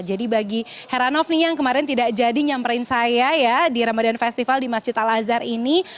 jadi bagi heranov nih yang kemarin tidak jadi nyamperin saya ya di ramadan festival di masjid al azhar ini